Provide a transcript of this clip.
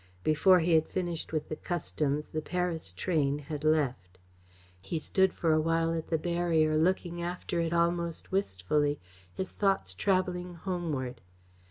Before he had finished with the customs the Paris train had left. He stood for a while at the barrier, looking after it almost wistfully, his thoughts travelling homeward.